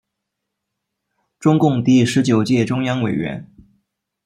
中共第十九届中央委员。